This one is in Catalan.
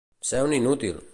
Ser un inútil.